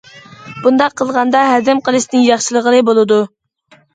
بۇنداق قىلغاندا ھەزىم قىلىشنى ياخشىلىغىلى بولىدۇ.